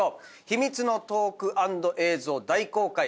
秘密のトーク＆映像大公開！